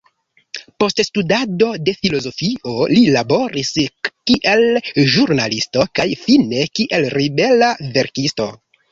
Post studado de filozofio li laboris kiel ĵurnalisto kaj fine kiel libera verkisto.